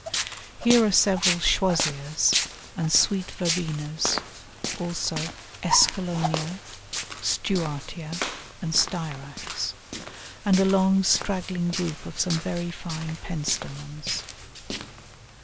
Here are several Choisyas and Sweet Verbenas, also Escallonia, Stuartia, and Styrax, and a long straggling group of some very fine Pentstemons.